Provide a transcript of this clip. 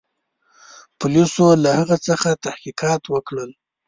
پولیسو له هغه څخه تحقیقات وکړل.